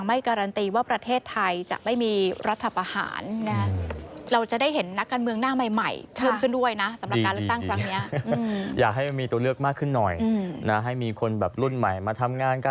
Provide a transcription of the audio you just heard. มักจะบนมันก็บนอยู่อ่างเหมือนเดิมนะ